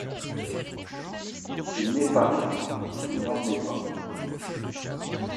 S’il n’est pas riche, qu’il n’en ait pas.